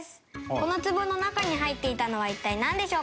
この壺の中に入っていたのは一体、なんでしょうか？